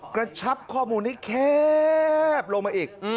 กระชับข้อมูลให้แคบลงมาอีก